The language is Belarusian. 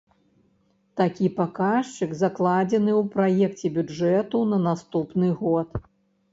Такі паказчык закладзены ў праекце бюджэту на наступны год.